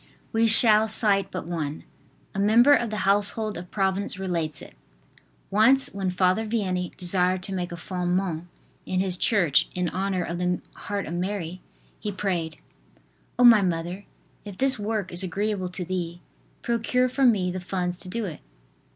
We shall cite but one. A member of the household of Providence relates it: "Once when Father Vianney desired to make a "Fondement" in his church in honor of the heart of Mary, he prayed: O, my mother! if this work is agreeable to thee, procure for me the funds to do it.